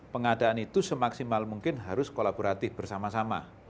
pengadaan itu semaksimal mungkin harus kolaboratif bersama sama